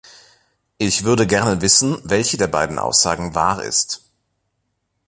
Ich würde gerne wissen, welche der beiden Aussagen wahr ist.